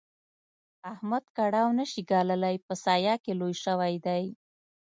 احمد کړاو نه شي ګاللای؛ په سايه کې لوی شوی دی.